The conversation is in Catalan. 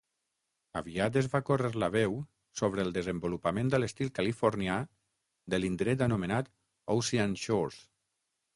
Aviat es va córrer la veu sobre el desenvolupament a l'estil californià de l'indret anomenat Ocean Shores.